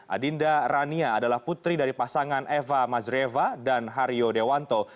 adinda rania adalah putri dari pasangan eva mazreva dan hario dewanto